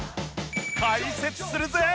解説するぜ